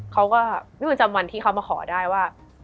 เขาก็ไม่ควรจำวันที่เขามาขอได้ว่า